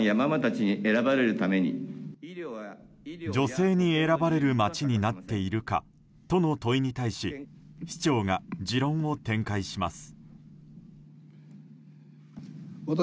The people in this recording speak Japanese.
女性に選ばれる街になっているか？との問いに対し市長が持論を展開します。